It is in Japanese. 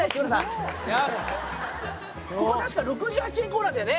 ここは確か６８円コーナーだよね。